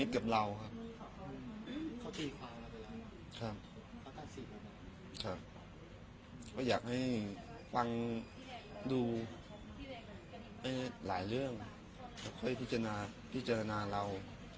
ก็อยากให้ฟังดูหลายเรื่องพิจารณาเรา